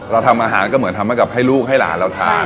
เราทำอาหารก็เหมือนทำให้กับให้ลูกให้หลานเราทาน